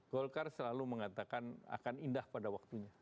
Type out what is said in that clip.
golkar selalu mengatakan akan indah pada waktunya